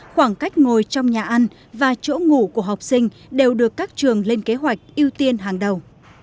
khoảng cách ngồi trong nhà ăn và chỗ ngủ của học sinh đều được các trường lên kế hoạch ưu tiên hàng đầu